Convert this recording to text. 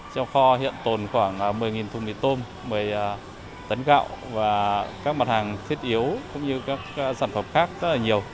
trong kho hiện tồn khoảng một mươi thùng mì tôm một mươi tấn gạo và các mặt hàng thiết yếu cũng như các sản phẩm khác rất là nhiều